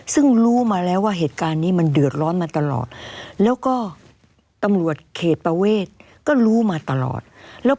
ซึ่งรู้มาแล้วว่าเหตุการณ์นี้มันเดือดร้อนมาตลอดแล้วก็ตำรวจเขตประเวทก็รู้มาตลอดแล้ว